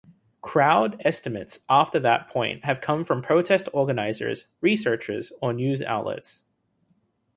Crowd estimates after that point have come from protest organizers, researchers or news outlets.